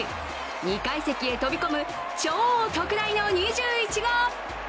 ２階席へ飛び込む超特大の２１号。